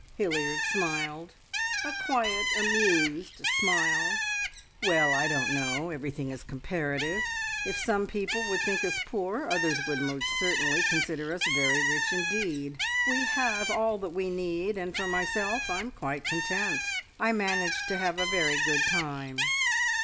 Hilliard smiled a quiet, amused smile. "Well, I don't know. Everything is comparative. If some people would think us poor, others would most certainly consider us very rich indeed. We have all that we need, and for myself I'm quite content. I manage to have a very good time."